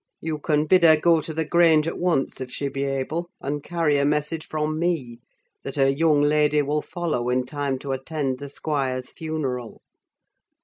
You can bid her go to the Grange at once, if she be able, and carry a message from me, that her young lady will follow in time to attend the squire's funeral.